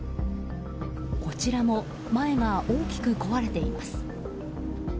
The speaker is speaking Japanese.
こちらも前が大きく壊れた車。